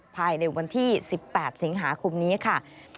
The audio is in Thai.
ภายในวันที่๑๘สิงหาคมนี้ค่ะ